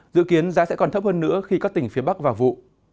dự kiến giá sẽ còn thấp hơn nữa khi các tỉnh phía bắc vào vụ